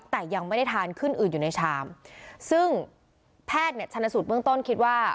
แต่ยังไม่ได้ทานขึ้นอื่นอยู่ในชามซึ่งแพทย์เนี่ยชนะสูตรเบื้องต้นคิดว่า